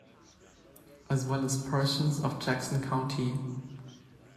As well as portions of Jackson County.